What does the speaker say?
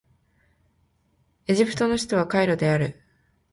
エジプトの首都はカイロである